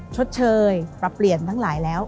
ชดเชยปรับเปลี่ยนทั้งหลายแล้ว